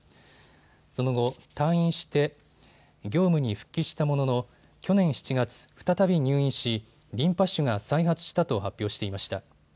その後、退院して業務に復帰したものの去年７月、再び入院しリンパ種が再発したと発表していました。